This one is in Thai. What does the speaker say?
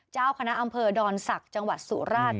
เจ้าคณะอำเภอดอนศักดิ์จังหวัดสุราช